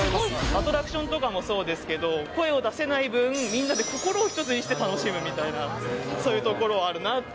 アトラクションとかもそうですけど、声を出せない分、みんなで心を一つにして楽しむみたいな、そういうところあるなっ